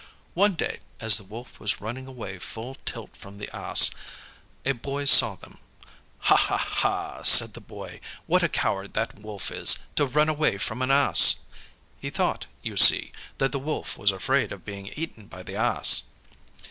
One day, as the Wolf was running away full tilt from the Ass, a Boy saw them. "Ha, ha, ha," said the Boy, "what a coward that Wolf is, to run away from an Ass." He thought, you see, that the Wolf was afraid of being eaten by the Ass.